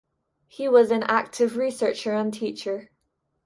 He was an active researcher and teacher.